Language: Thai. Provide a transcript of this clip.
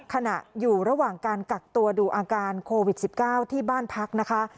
ขณะอยู่ระหว่างการกักตัวดูอาการโควิด๑๙ที่บ้านพักนะคะ